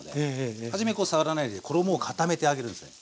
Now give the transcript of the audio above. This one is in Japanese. はじめ触らないで衣を固めてあげるんですね。